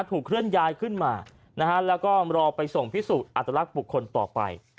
เคลื่อนย้ายขึ้นมานะฮะแล้วก็รอไปส่งพิสูจน์อัตลักษณ์บุคคลต่อไป